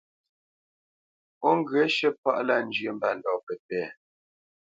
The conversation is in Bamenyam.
Ó ŋgyə̂ shə̂ páʼ lâ njyə́ mbândɔ̂ pə́pɛ̂.